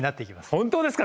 本当ですか？